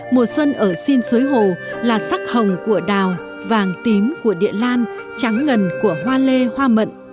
mùa xuân ở xin suối hồ là sắc hồng của đào vàng tím của địa lan trắng ngần của hoa lê hoa mận